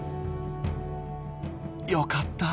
よかった！